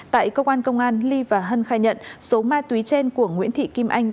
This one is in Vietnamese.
tại cơ quan công an ly và hân khai nhận số ma túy trên của nguyễn thị kim anh